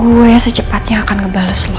gue secepatnya akan ngebales dulu